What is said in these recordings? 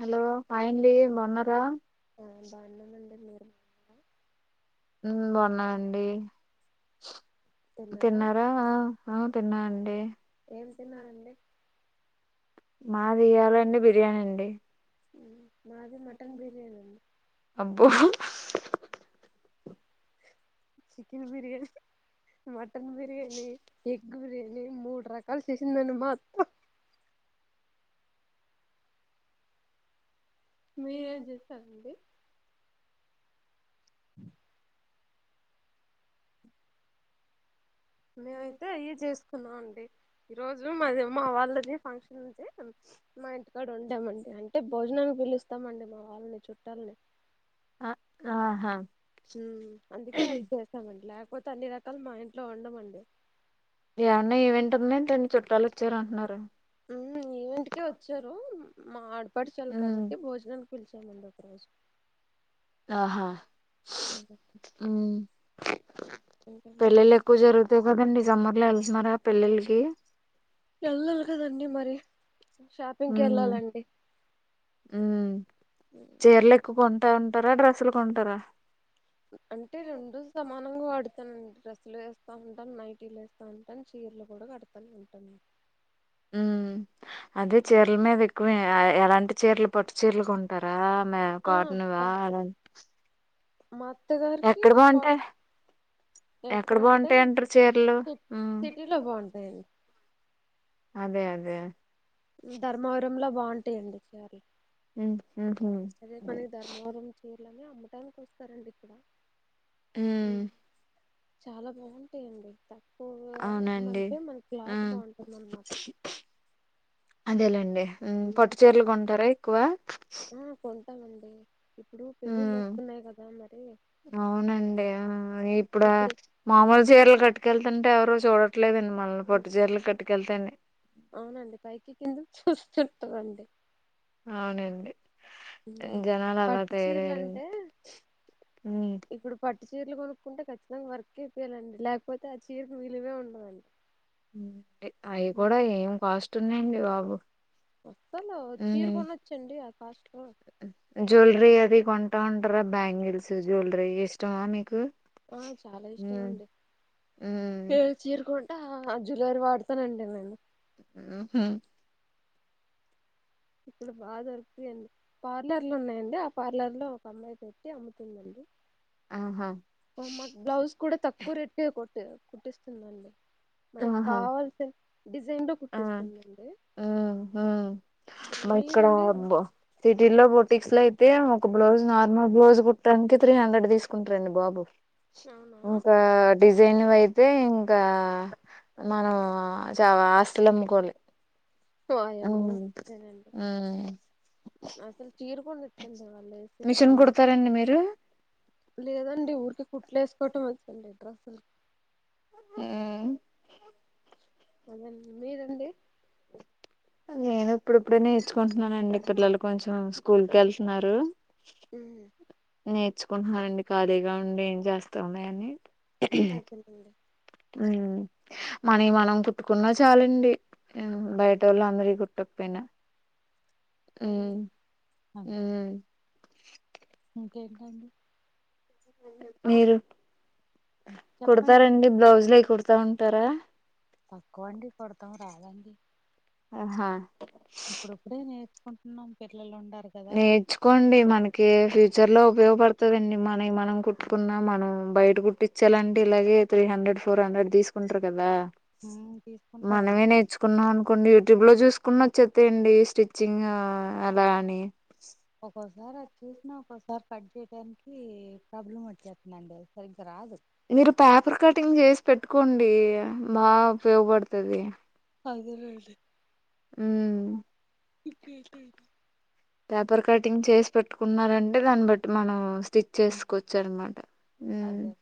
Hello hi అండి బాగున్నారా మేము బాగున్నం అండి మీరు ఉ బాగున్నండి తిన్నారా ఆ ఆ తిన్న అండి ఏం తిన్నారండి మాది ఇయ్యాల అండి బిర్యానీ అండి ఉ అబ్బో chicken biryani, mutton biryani, egg biryani మూడు ర కాల్ చేసింది అండి మా అత్త మీరేం చేసారండి [unintelligible] మేమయితే అవి చేసుకున్నాం అండి ఈ రోజు మాది మా వాళ్ళది ఫంక్షన్ ఉంటే మా ఇంటికాడ వండామండి అంటే భోజనానికి పిలుస్తామండి మా వాళ్ళని చుట్టాలని ఆ ఆహా ఉ అందుకే ఐయి చేసామండి లేకపో తే అన్ని రకాలు మా ఇంట్లో వండ మండి ఏమన్నా ఈవెంట్ ఉందేంటి చుట్టాలు అ చ్చారు అంటున్నారు. ఉ ఈవెంటికే వచ్చారు మా ఆడపడుచోళ్లు ఉమ్ కాబట్టి భోజనానికి పిలిచామండి ఒక రోజు ఆహా ఉ ఇంకండి పెళ్లిళ్లు ఎక్కువ జరుగుతాయి కదండి సమ్మర్ లో వెళ్తున్నారా పెళ్ళిలకి వెళ్ళాలి కాదాఅండి మరి ఉ షాపింగ్కి వెళ్ళాలండి ఉ చీరలు ఎకో కోన్ కొంటా ఉంటారా డ్రెస్లు కొంటారా అంటే రెండు సమానంగా వాడుత్ తం డ్రెస్సులు వేస్తా ఉంటాం నైటీలు వేస్తా ఉంటాం చీరలు కూడా కడతానే ఉంటాం ఉ అదే చీరల మీద ఎక్కువ అ ఎలాంటి చీరలు పట్టు చీరలు కొంటారా మె ఆ కాటన్వా ప- అలా మా అత్తగారికి ఎక్కడ కా బాగుంటాయి ఎక్కడ ఎక్కడంటే బాగుంటాయి అంటారు చీరలు సి ఉమ్ సిటీలో బాగుంటాయ్ అండ్ అదే అదే ధర్మవరం లో బాగుంటాయండి సారీ ఉ ఉహు ఇట్లనే అమ్మటానికి వస్తారండి ఇక్కడ ఆ ఉమ్ చాలా బాగుంటాయండి అవునా అండి అంటే మన క్లాత్ మ్ బాగుంటుంది అనమాట అదేలేండి పట్టు మ్ చీరలు కొంటారా ఎక్కువ ఆ కొంటామండి ఇప్పుడు పెళ్ళిళ్ళు వస్తున్నాయి కదా మరి అవునండీ ఆ ఇప్పుడు ఇప్పుడే ఆమామూలు చీరలు కట్ ట్కెళ్తుంటే ఎవరు చూడట్లేదండి మనల్ని ఉమ్, పట్టు చీరలు కట్టుకెల్తేనే అవునండి పైకి కిందక్ చూస్తుంటరండి అవునండి హుమ్మ్ జనాలు అలా పట్టు చీరలు తయారయ్యారు అంటే ఉమ్ ఇప్పుడు పట్ ట్ చీరలు కొనుక్కుంటే ఖచ్చితంగా వర్క్ ఏపీయలండి లేకపోతే ఆ చీరకు విలువే ఉండదండి మ్ ఏ అయ్యి ఉమ్, కూడా ఏం కాస్ట్ ఉన్నాయండి బాబు వస్తలో చీర ఉమ్ కొనొచ్చండి ఆ కాస్ట్ లో టాండర బ్యాంగిల్స్ జ్యువెలరీ ఇష్టమా మీకు ఆ చాలా ఇష్టం ఉమ్ అండి ఉమ్ ఏ చీర కొన్ ఆ జ్యూవెలరీ వాడుతానండి నేను మ్ హు ఇక్కడ బాగా దొరుకుతాయండి పార్లర్లు ఉన్నాయండి ఆ పార్లర్ లో ఒక అమ్మాయి పెట్టి అమ్ముతుందండి ఆహా మ మాక్ బ్లౌజ్ కూడా తక్కువ రెట్ కే కుట్టి కుట్టిస్తుందండి మనకి ఆహా కావాల్సిన్ ఆ మ్ హు మా ఇక్కడ మీరండి బా సిటీల్లో బొ టిక్స్ లైతే ఒక బ్లౌజ్ నార్మల్ బ్లౌజ్ కుట్టడానికి త్రీ హండ్రెడ్ తీసుకుంటారండి బాబు అవునా ఇంకా డిజ్ జన్వయితే ఇంకా మనం ఆ చా ఆస్తులమ్ముకోవాలి వాయమ్మో సరే అండి అసలు చీరు కొని మిషన్ వాళ్లేసేదన్ని కుడతారండి మీరు లేదండి ఊరికే కుట్ ట్లేసుకోవటం వచ్చండి డ్రస్సులు మ్మ్ అదండి మీరండి నేను ఇప్పుడిప్పుడే నేర్చుకుంటున్నానండి పిల్లలు కొంచెం స్కూల్ కేళ్తున్నారు ఉమ్, నేర్చుకుంట్నాండి ఖాళీగా ఉండి ఏం చేస్తాం లే అని అదే నండి మ్ మనయ్ మనం కుట్టుకున్నా చాలండి బయటోళ్ళు ఆ అందరియి కుట్టకపోయి న అదే మ్ మ్ ఇంకేంటండి మీరు చెప్పండి కుడతారండి బ్లౌజ్లులై కుడతా ఉంటారా తక్కువండి కుడతాం రాదండి ఆహా ఇప్పుడుప్పుడే నేర్చుకుంటున్నాం పిల్లలున్ నేర్చుకోండి మనకీ ఫ్యూచర్ లో ఉపయోగపడుతదండి మనై మనం కుట్టుకున్నా మనం బయట కుట్టిచ్చాలంటే ఇలాగే three hundred four hundred తీసుకుంటారు కదా ఉమ్, తీసుకుంటారండి మనమే నేర్చుకున్నాం అనుకోండి ట్యూబ్ లో చూసుకున్న వచ్చేతయండి స్టిచ్చింగ్ ఆ ఎలా అని ఒక్కోసారి అది చూసినా ఒక్కోసారి కట్ చేయడానికి ప్రాబ్లం వచ్చేత్తుందండి సరిగ్గా రాదు మీరు పేపర్ కటింగ్ చేసి పెట్టుకోండీ బా ఉపయోగపడుతది అదేనండి మ్ ఇంకేంటండీ పేపర్ కటింగ్ చేసి పెట్టుకున్నారంటే దాన్ని బట్టి మనం స్టిచ్ ఆ, చేసుకొచ్చు అనమాట అదే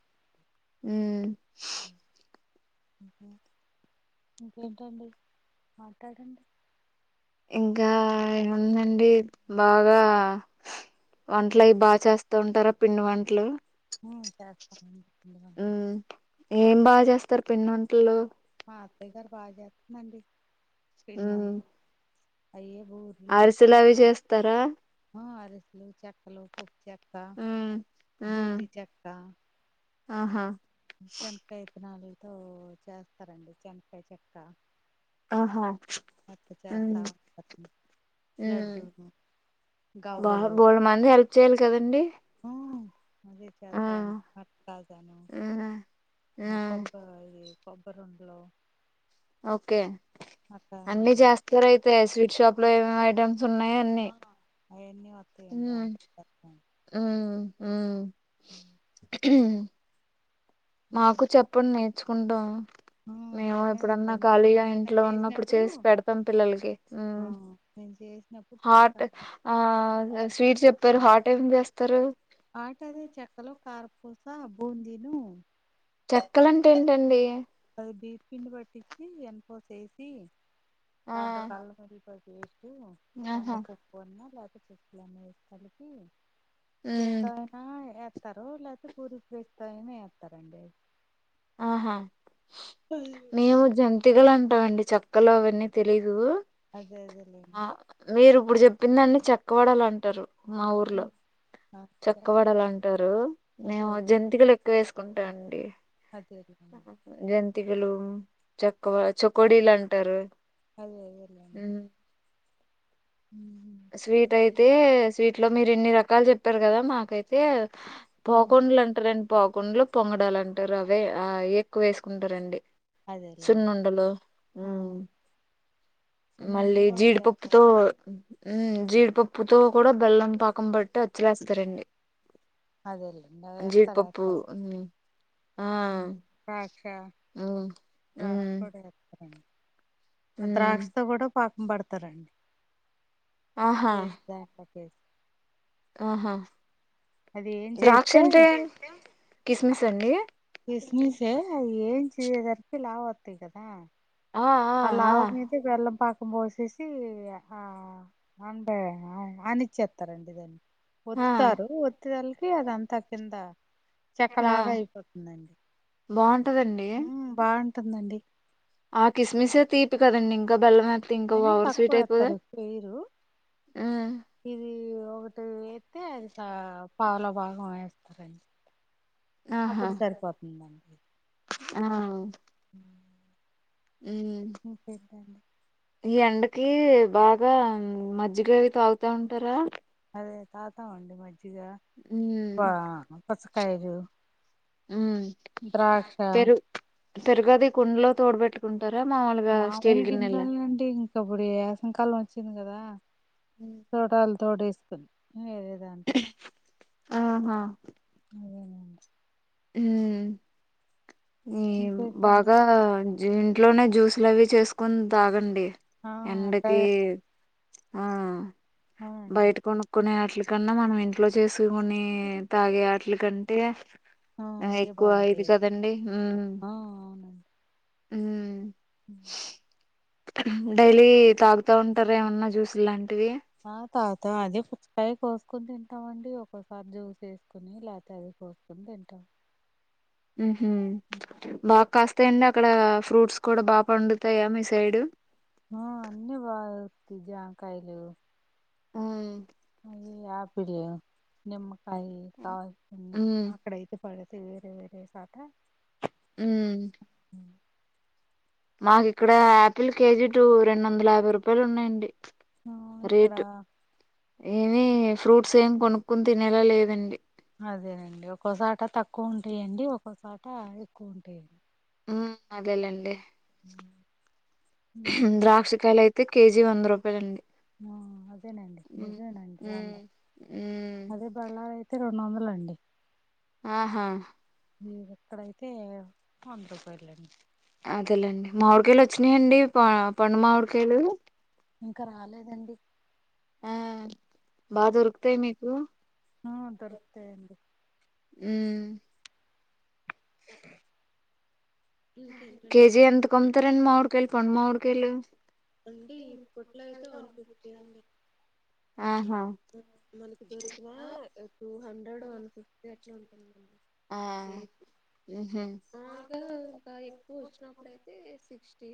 ఇకేంటండి మాటడండి ఇంకాఎమ్ ఉందండి బాగా వంట్లు అవి బాగా చేస్తా ఉంటారా పిండి వంటలు మ్ చేస్తా ఉమ్ ఏం బాగా చేస్తారు పిండి వంటల్లో మా అత్తయ్య గారు బాగా చేస్తుందండి పిండి వంటలు అయ్యే బూర్లు అరిసలు అవి చేస్తారా ఆ, అరిసెలు చెక్కలు పప్పు చెక్క ఉమ్ ఉమ్ బూంది చెక్క ఆహా శనకాయత్తినాలతో చేస్తారండి శనకాయ చెక్క ఆహా అట్ ఉమ్ చేస్తాము ఉమ్ లడ్డూ బా బోళ మంది హెల్ప్ చేయాలి కదండి నేను ఆ చేస్తానండి మా అత్త కలుస్తారండి ఆ ఆ కొబ్బరి కొబ్బరి ఉండలు ఓకే అన్ని చేస్తా చేస్తారయితే స్వీట్ షాప్ లో ఎమ్ ఎమ్ ఐటమ్ ఉన్నాయి అన్నీ ఇన్ని అత్తయ్య చేస్తారండి మ్ ఇంకే మాకు చెప్పండి నేర్చుకుంటాం ఆ మేము సరే అండి ఎప్పుడన్నా అన్నీ మేము ఖాళీగా ఏమైనా ఇంట్లో ఉన్నప్పుడు చేసినప్పుడు చేసి పెడతాం పిల్లలకి ఆ నేను చేసినప్పుడు హాట్ చెప్తాను ఆ స్వీట్ చెప్పారు హాట్ ఏం చేస్తారు హాట్ అదే చెక్కలు కార్పూస బూందిను చెక్కలు అంటే ఏంటండి బియ్యం పిండి పట్టించి ఎనపోసేసి ఆ దాంట్లో కి అల్లం ఎల్లిపాయ పెస్ట్ ఆహా శనగపప్పు అన్నా లేకపోతే పప్పులన్నీ కలిపి మ్మ్ చేత్తో నా ఎలా ఎత్తారు లేకపోతే పూరి ప్రెస్ తో అయినా వేస్తారండి ఆహా మేము జంతికలు అంటామండి చక్కలు అవన్నీ తెలీదు అదే అదే లే ఆ మీరు ఇప్పుడు చెప్పిందాన్ని చెక్క వడలు అంటారు మా ఊర్లో ఉమ్ ఆ, సరే. చక్కవడలు అంటారు అదే మేము అదే జంతికలు ఎక్కువ వేసుకు కుంటాండి అదేలేండి జంతి లు చక్క చకోడీలు అంటారు అదే అదే ఉమ్, స్వీట్ అంతే అయితే స్వీట్ లో మీరు ఇన్ని రకాలు చెప్పారు కదా మాకైతే ఆ పోకుండలు అంటారండి పోకుండాలు పొంగడాలు అంటారు అవే ఆ ఎక్కువ వేసుకుంటారండి అదేలేండి సన్నండలు ఆ మ్ మళ్ళీ సున్నుండలు కూడా చేత్తాం జీడిపప్పుతో జీడిపప్పుతో కూడా బెల్లం పాకం బట్టి అచ్చులేస్తారండి అదేలే నువ్వు ఎత్తావా జీడిపప్పు అందరూ హ్మ్ ఆ ద్రాక్ష హ్మ్ ద్రాక్ష హ్మ్ పండ్లుఇస్తారు ఆ హ్మ్ ద్రాక్షతో కూడా పాకం పడతారండి ఆహా చే బస్ ఆహా ఏం ద్రాక్ష చేస్తే అంటే కిస్మిస్ అండి కిస్మిసే అది ఏం చేయేదరికి లావు అవుతివి కదా ఆ లావు మీది వెల్ళం పా కుం పోసేసి ఆ అంటే ఆనిచ్చేత్తారండి దాన్ని ఆ ఒత్తుత్తారు ఒత్తేదాల్కి అదంతా కింద ఆ చెక్కలాగా అయిపోతుందండి బాగుంటదండి ఉమ్ బావుంటుందండి ఆ కిస్మిస్ ఏ తీపి కదండి ఇంకా బెల్లమే ఐనా తక్కువేత్తారు ఎక్కువేయరు హ్మ్ ఇది ఒకటి ఏత్తే అది పావలా భాగం వేస్తారం ఆహా అప్పుడు సరిపోతుంది మనకి ఆ హ్మ్ ఇంకేటిదండి ఈ ఎండకి బాగా ఉమ్ మజ్జిగ అవి తాగుతా ఉంటారా అదే తాగుతామండి మజ్జిగ హ్మ్ వా పుచ్చకాయలు ఉమ్ ద్రాక్ష పెరు పెరుగది కుండలో తోడుబెట్టుకుం మాములుగా ఇంట్లోనే ఉంటే ఇంకప్పుడు ఏసంకాలం వచ్చింది కదా తోటాల్ తోడేస్త్ ఆహా ఆ ఈ ఇంకేంటండి బాగా ఇంట్లోనే జ్యూస్లవి చేసుకుని తాగండి ఆ అట్టే ఎండకి ఆ అవునండి బయట కొనుక్కునే కన్నా మనం ఇంట్లో చేసుకుని తాగే ఆటల కంటే ఆ ఏ ఎక్కువ ఇది బాగుంటాయి కదండి హుమ్ ఆ అవునండి హుమ్ డైలీ తాగుతా ఉంటార ఏమన్నా జ్యూస్ లాంటివి ఆ తాగుతా అది పుచ్చకాయ కోసుకొని తింటామండి ఒక్కోసారి జ్యూస్ వేసుకుని లేకపోతే అది కోసుకుని తింటాం హుమ్ హూ బాగ్ కాస్త్ యండి అక్కడ ఫ్రూట్స్ కూడా బాగా పండుతాయా మీ సైడు ఆ అన్ని బాగ్ కాతయ్ జామ్ కాయలు హుమ్ అయి ఆపిల్ నిమ్మకాయ కావలసిన వన్ని ఉమ్ అక్కడయితే పడతీ వేరే వేరే సాట హుమ్ మాకు ఇక్కడ ఆపిల్ కేజీ టు రెండు వందల యాభై రూపాయలు ఉన్నాయండి ఆ ఇక్కడ ఏవి ఫ్రూట్స్ ఏమి కొనుకుని తినేలా లేదండి అదేనండి ఒక్కోసాట తక్కువ ఉంటాయండి ఒక్కోసాట ఎక్కువ ఉంటాయండి ఉమ్ అదేలేండి ఇంకేంటో ద్రాక్షకాయలు అయితే కే జీ వంద రూ ఆ అదేనండి ఉమ్ నిజమేనండి వంద ఉమ్ ఉమ్ అదే గల ఐతే రె డొందలండి ఆహా మీకు ఇక్కడైతే వంద రూపాయలండి అదేలేండి మావిడికాయలు వచ్చినయండి ప పండు మామిడికాయలు ఇంకా రాలేదండి ఆ బా దొరుకుతాయి మీకు ఆ దొరుకుతాయండి ఊ కే ఇంకేంటండి జీ ఎంతకు అమ్ముతారండి మామిడికాయలు పండు మామిడికాయలు అండి ఇప్పట్లో అయితే వన్ ఫిఫ్టీ అండి ఆహా మనకి దొరికినా టూ హండ్రెడ్ వన్ ఫిఫ్టీ ఉంట ఉడి ఆ ఉహు మాముూలుగా ఇంకా ఎక్కువ వచ్చినప్పుడుయితే సిక్స్టీ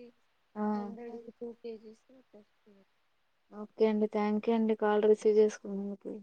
ఆ హంద్రెడ్ క టూ కేజీస్ నాకు వస్తు ఓకే అండి థ్యాంక్ యూ అండి కాల్ రిసీవ్ చేసుకుా మీ ప్లీజ్